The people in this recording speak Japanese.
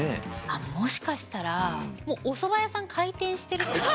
もしかしたらもうおそば屋さん開店してるとか。